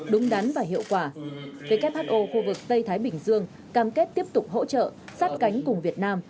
đúng đắn và hiệu quả who khu vực tây thái bình dương cam kết tiếp tục hỗ trợ sát cánh cùng việt nam